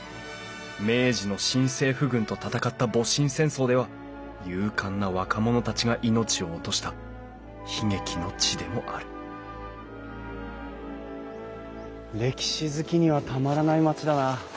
明治の新政府軍と戦った戊辰戦争では勇敢な若者たちが命を落とした悲劇の地でもある歴史好きにはたまらない町だな。